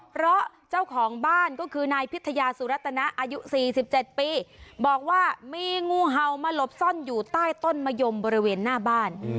เพราะเจ้าของบ้านก็คือนายพิทยาสุรัตนะอายุ๔๗ปีบอกว่ามีงูเห่ามาหลบซ่อนอยู่ใต้ต้นมะยมบริเวณหน้าบ้าน